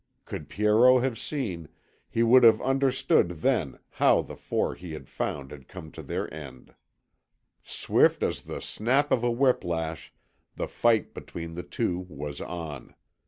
Could Pierrot have seen, he would have understood then how the four he had found had come to their end. Swift as the snap of a whip lash the fight between the two was on.